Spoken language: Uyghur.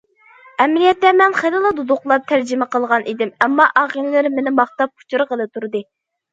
ئەمەلىيەتتە مەن خېلىلا دۇدۇقلاپ تەرجىمە قىلغان ئىدىم، ئەمما ئاغىنىلىرىم مېنى ماختاپ ئۇچۇرغىلى تۇردى.